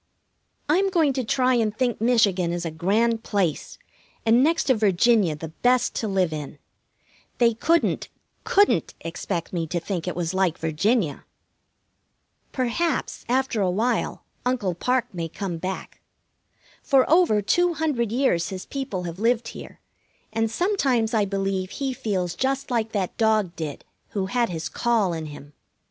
I'm going to try and think Michigan is a grand place, and next to Virginia the best to live in. They couldn't, couldn't expect me to think it was like Virginia! Perhaps, after a while, Uncle Parke may come back. For over two hundred years his people have lived here, and sometimes I believe he feels just like that dog did who had his call in him.